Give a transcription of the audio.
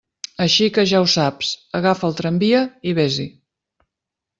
Així que, ja ho saps, agafa el tramvia i vés-hi!